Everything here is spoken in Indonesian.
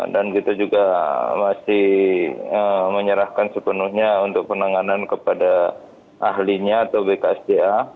dan kita juga masih menyerahkan sepenuhnya untuk penanganan kepada ahlinya atau bksda